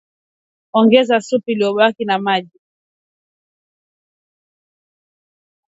Ongeza supu iliyobaki na maji